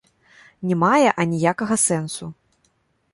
Не мае аніякага сэнсу!